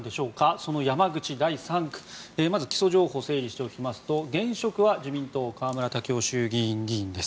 その山口第３区、まず基礎情報を整理しておきますと現職は自民党河村建夫衆院議員です。